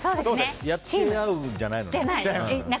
やり合うんじゃないのね。